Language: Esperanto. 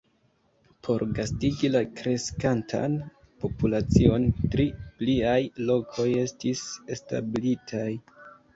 Por gastigi la kreskantan populacion tri pliaj lokoj estis establitaj.